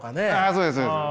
そうですそうです。